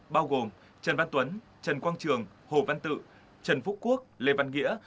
bao gồm trần văn tuấn trần quang trường hồ văn tự trần phúc quốc lê văn nghĩa